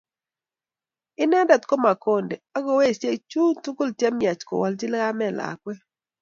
Inendet ko Makonde ak kewesiek chu tugul che miach kowolchi kamet lakwet